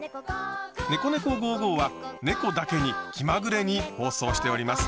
「ねこねこ５５」はねこだけに気まぐれに放送しております。